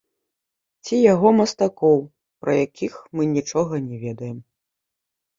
Ці яго мастакоў, пра якіх мы нічога не ведаем.